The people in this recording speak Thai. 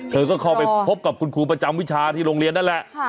เธอก็เข้าไปพบกับคุณครูประจำวิชาที่โรงเรียนนั่นแหละ